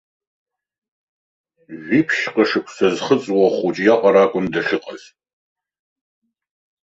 Жәиԥшьҟа шықәса зхыҵуа ахәыҷы иаҟара акәын дахьыҟаз.